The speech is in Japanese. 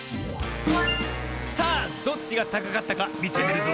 さあどっちがたかかったかみてみるぞ。